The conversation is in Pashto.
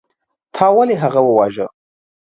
تا ولې هغه وواژه.